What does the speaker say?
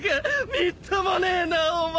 みっともねえなぁお前！